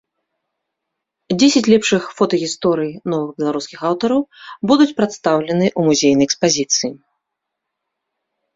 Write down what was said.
Дзесяць лепшых фотагісторый новых беларускіх аўтараў будуць прадстаўлены ў музейнай экспазіцыі.